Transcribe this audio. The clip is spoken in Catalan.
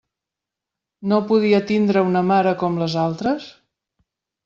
No podia tindre una mare com les altres?